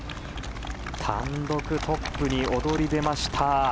単独トップに躍り出ました。